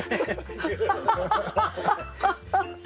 ハハハハ！